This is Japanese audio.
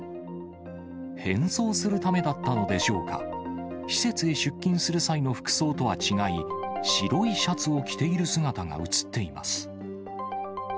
変装するためだったのでしょうか、施設へ出勤する際の服装とは違い、白いシャツを着ている姿が写っています。